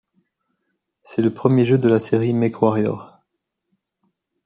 C'est le premier jeu de la série MechWarrior.